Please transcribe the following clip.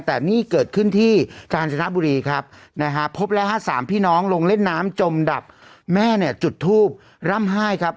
แต่นี่เกิดขึ้นที่กาญจนบุรีครับนะฮะพบแล้วฮะสามพี่น้องลงเล่นน้ำจมดับแม่เนี่ยจุดทูบร่ำไห้ครับ